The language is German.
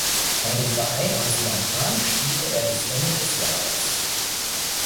Bei dem Verein aus Lampang spielte er bis Ende des Jahres.